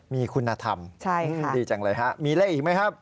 มีคุณธรรมดีจังเลยฮะมีเลขอีกไหมครับ